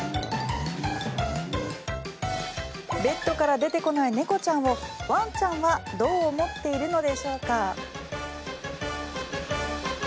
ベッドから出てこない猫ちゃんをワンちゃんはどう思っているのでしょうか。